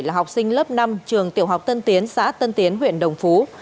là học sinh lớp năm trường tiểu học tân tiến xã tân tiến huyện đồng phú